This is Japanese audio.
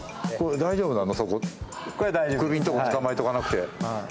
大丈夫なのか、首のところ捕まえておかなくて？